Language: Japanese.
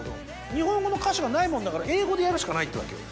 日本語の歌詞がないもんだから英語でやるしかないってわけよ。